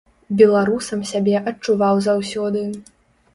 Беларусам сябе адчуваў заўсёды.